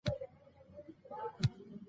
لیکوال په خپلو لیکنو کې خورا دقیق دی.